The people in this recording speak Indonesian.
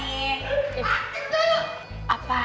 aduh kerasin dong